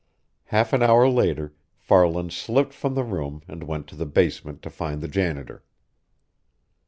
Half an hour later, Farland slipped from the room and went to the basement to find the janitor.